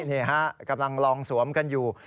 นี่ฮะกำลังลองสวมกันอยู่